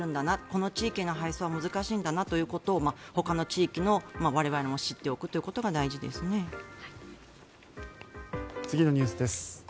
この地域の配送は難しいんだなということをほかの地域の我々も知っておくということが次のニュースです。